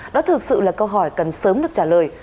đó thực sự là câu hỏi cần sớm được trả lời